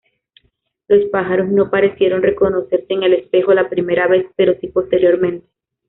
Los pájaros no parecieron reconocerse en el espejo la primera vez, pero sí posteriormente.